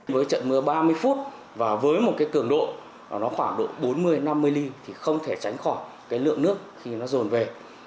với trận mưa ba mươi phút và với một cái cường độ khoảng độ bốn mươi năm mươi mm thì không thể tránh khỏi cái lượng nước khi nó rồn về